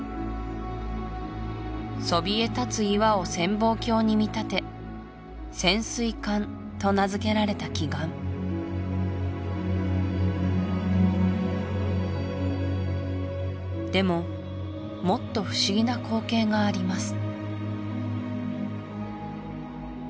そびえ立つ岩を潜望鏡に見立て潜水艦と名付けられた奇岩でももっと不思議な光景があります